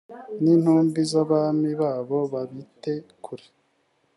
n intumbi z abami babo babite kure